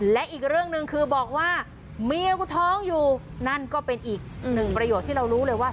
และอีกเรื่องหนึ่งคือบอกว่าเมียกูท้องอยู่นั่นก็เป็นอีกหนึ่งประโยคที่เรารู้เลยว่า